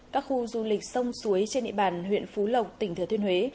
các khu du lịch sông suối trên địa bàn huyện phú lộc tỉnh thừa thiên huế